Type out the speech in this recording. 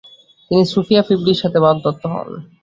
তিনি সোফিয়া পিবডির সাথে বাগদত্ত হন।